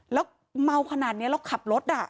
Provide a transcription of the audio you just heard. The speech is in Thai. แล้วเมาขนาดนี้แล้วขับรถ